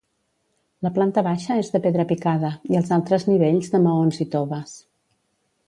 La planta baixa és de pedra picada i els altres nivells de maons i toves.